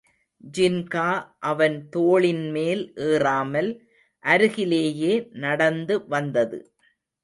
ஜின்கா அவன் தோளின்மேல் எறாமல் அருகிலேயே நடந்து வந்தது.